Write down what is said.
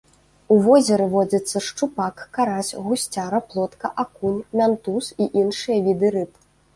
У возеры водзяцца шчупак, карась, гусцяра, плотка, акунь, мянтуз і іншыя віды рыб.